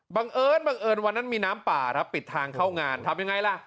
บังเอิญบังเอิญวันนั้นมีน้ำป่าครับปิดทางเข้างานทำยังไงล่ะ